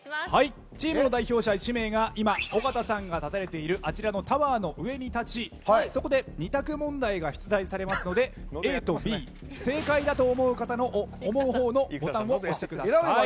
チームの代表者１名が尾形さんが立たれているタワーの上に立ちそこで２択問題が出題されるのでＡとＢ正解だと思う方のボタンを押してください。